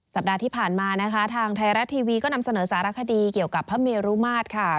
สัปดาห์ที่ผ่านมานะคะทางไทยรัฐทีวีก็นำเสนอสารคดีเกี่ยวกับพระเมรุมาตรค่ะ